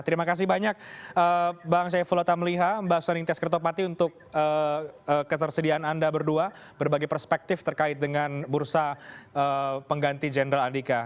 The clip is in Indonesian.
terima kasih banyak bang saiful otamliha mbak suning tias kertopati untuk ketersediaan anda berdua berbagai perspektif terkait dengan bursa pengganti jendral adhika